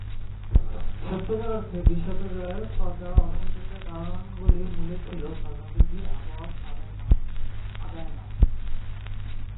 সত্যিকার অর্থে বিশ শতকের প্রজা অসন্তোষের কারণগুলির মূলে ছিল খাজনা বৃদ্ধি, আবওয়াব আদায় নয়।